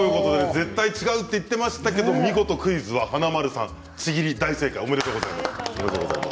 絶対違うと言ってましたけどお見事、クイズは華丸さんちぎり、大正解おめでとうございます。